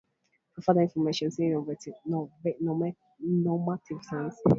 For further information see normative science.